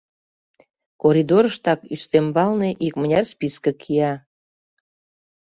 Коридорыштак, ӱстембалне, икмыняр списке кия.